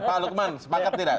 pak lukman sepakat tidak